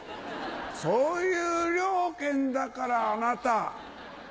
そういう了見だからあなた。